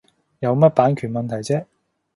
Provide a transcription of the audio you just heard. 有乜版權問題啫